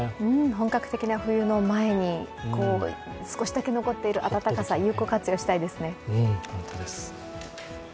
本格的な冬の前に少しだけ残っている暖かさ、有効活用したいですね。